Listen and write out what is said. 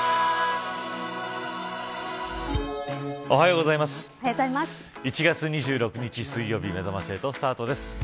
おはようございます。